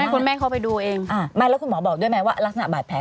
คุณแม่เขาไปดูเองไม่แล้วคุณหมอบอกด้วยไหมว่ารักษณะบาดแผล